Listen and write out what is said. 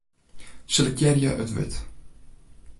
Selektearje it wurd.